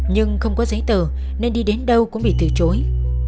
nhưng không có giấy tờ nên đi đến đâu cũng bị từ chối